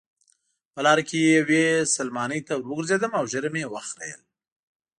په لاره کې یوې سلمانۍ ته وروګرځېدم او ږیره مې وخریل.